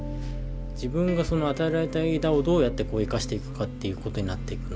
自分がその与えられた枝をどうやって生かしていくかということになっていくので。